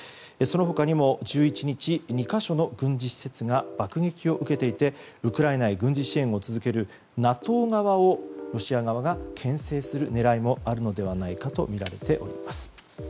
その他にも１１日２か所の軍事施設が爆撃を受けていてウクライナへ軍事支援を続けるＮＡＴＯ側をロシア側が牽制する狙いもあるのではないかとみられております。